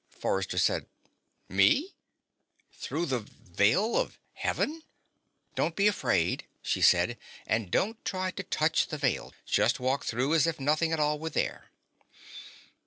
Forrester said: "Me? Through the Veil of Heaven?" "Don't be afraid," she said. "And don't try to touch the Veil. Just walk through as if nothing at all were there."